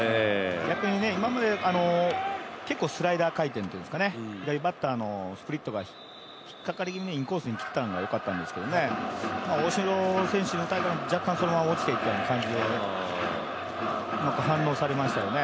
逆に今まで結構スライダー回転というか左バッターのスプリットが引っかかり気味のインコースできたのがよかったんですけどね、大城選手若干そのまま落ちていったところをうまく反応されました。